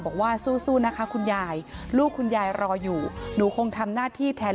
บอกว่าสู้นะคะคุณยายลูกคุณยายรออยู่หนูคงทำหน้าที่แทน